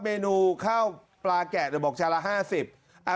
เมนูข้าวปลาแกะบอกชาละ๕๐บาท